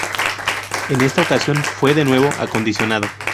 En esta ocasión fue de nuevo acondicionado.